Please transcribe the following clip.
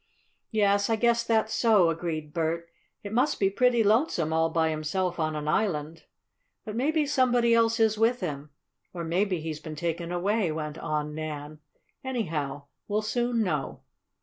"Yes, I guess that's so," agreed Bert. "It must be pretty lonesome, all by himself on an island." "But maybe somebody else is with him, or maybe he's been taken away," went on Nan. "Anyhow we'll soon know."